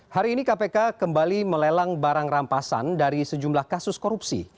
hari ini kpk kembali melelang barang rampasan dari sejumlah kasus korupsi